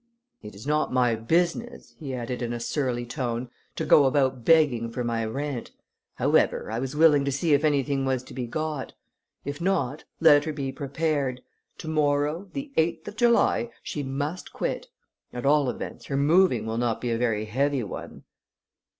"It is not my business," he added in a surly tone, "to go about begging for my rent. However, I was willing to see if anything was to be got. If not, let her be prepared; to morrow, the eighth of July, she must quit. At all events, her moving will not be a very heavy one!"